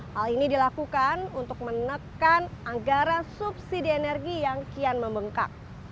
hal ini dilakukan untuk menekan anggaran subsidi energi yang kian membengkak